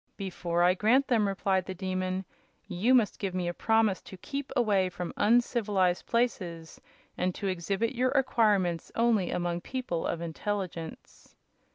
"Before I grant them," replied the Demon, "you must give me a promise to keep away from uncivilized places and to exhibit your acquirements only among people of intelligence."